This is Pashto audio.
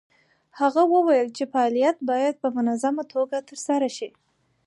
هغه وویل چې فعالیت باید په منظمه توګه ترسره شي.